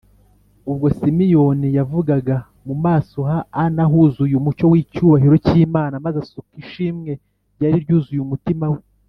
. Ubwo Simeyoni yavugaga, mu maso ha Ana huzuye umucyo w’icyubahiro cy’Imana, maze asuka ishimwe ryari ryuzuye umutima we